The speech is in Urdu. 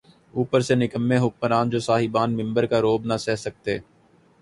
اوپر سے نکمّے حکمران‘ جو صاحبان منبر کا رعب نہ سہہ سکتے۔